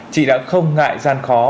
chị đã không ngại gian khó